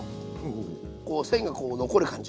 こう線がこう残る感じ。